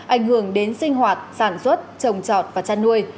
ảnh hưởng đến sinh hoạt sản xuất trồng trọt và chăn nuôi